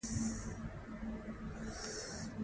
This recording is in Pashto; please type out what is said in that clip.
الکترودونه د هیپوکمپس سره نښلول شوي دي.